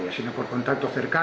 tapi dengan kontak yang dekat